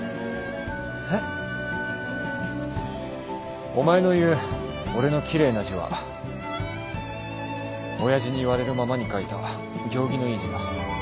えっ？お前の言う俺の奇麗な字は親父に言われるままに書いた行儀のいい字だ。